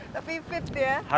tapi fit dia